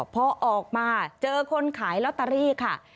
พอออกมาเจอคนขายลอตเตอรี่ค่ะ